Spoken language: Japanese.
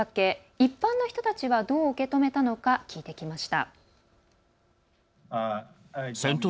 一般の人たちはどう受け止めたのか聞いてきました。